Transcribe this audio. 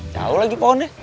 jauh lagi pohonnya